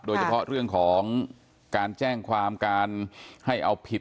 โดยเฉพาะเรื่องของการแจ้งความการให้เอาผิด